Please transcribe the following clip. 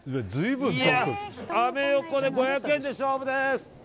アメ横で５００円で勝負です。